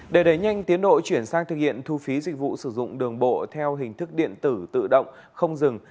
để đẩy nhanh tiến độ chuyển sang thực hiện thu phí dịch vụ sử dụng đường bộ theo hình thức điện tử tự động không dừng